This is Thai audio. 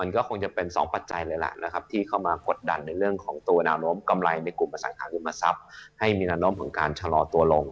ก็คงจะเป็นสองปัจจัยเลยแหละนะครับที่เข้ามากดดันในเรื่องของตัวแนวโน้มกำไรในกลุ่มอสังหาริมทรัพย์ให้มีแนวโน้มของการชะลอตัวลง